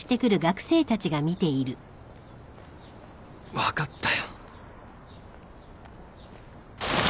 分かったよ。